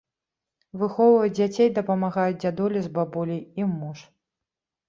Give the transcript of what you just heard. Выхоўваць дзяцей дапамагаюць дзядуля з бабуляй і муж.